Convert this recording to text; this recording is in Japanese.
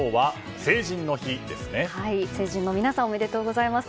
成人の皆さんおめでとうございます。